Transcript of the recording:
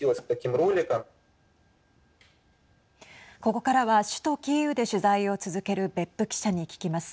ここからは首都キーウで取材を続ける別府記者に聞きます。